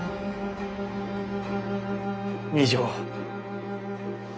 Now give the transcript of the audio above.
二条。